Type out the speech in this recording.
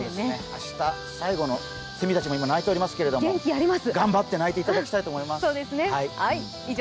明日、最後のせみたちも今、鳴いてますが頑張って鳴いていただきたいと思います。